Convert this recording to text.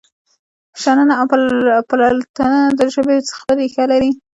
شننه او پرتلنه د ژبې خپل ریښه لري.